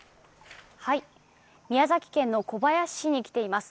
宮崎県の小林市に来ています。